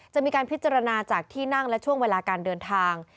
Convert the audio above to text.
จะมีการพิจารณาจากที่นั่งและช่วงเวลาการเดินทาง